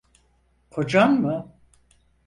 Kocan mı?